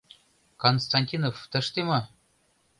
Константинов тыште мо?